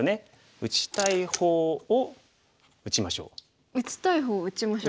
「打ちたい方を打ちましょう」。